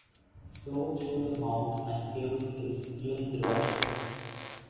Flow through the mouth and gills is unidirectional.